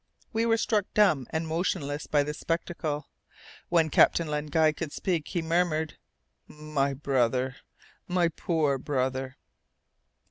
We were struck dumb and motionless by this spectacle. When Captain Len Guy could speak, he murmured, "My brother, my poor brother!"